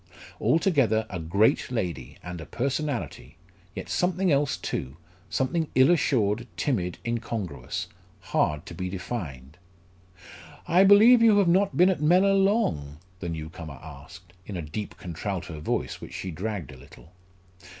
Altogether, a great lady, and a personality yet something else too something ill assured, timid, incongruous hard to be defined. "I believe you have not been at Mellor long?" the new comer asked, in a deep contralto voice which she dragged a little.